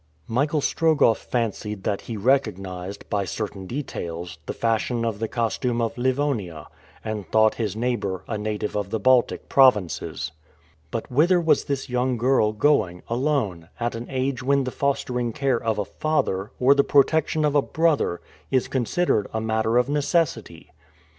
Michael Strogoff fancied that he recognized, by certain details, the fashion of the costume of Livonia, and thought his neighbor a native of the Baltic provinces. But whither was this young girl going, alone, at an age when the fostering care of a father, or the protection of a brother, is considered a matter of necessity?